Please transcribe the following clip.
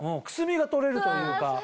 くすみが取れるというか。